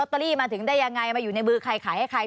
เตอรี่มาถึงได้ยังไงมาอยู่ในมือใครขายให้ใคร